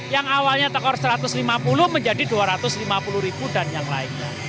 yang awalnya tekor rp satu ratus lima puluh menjadi rp dua ratus lima puluh ribu dan yang lainnya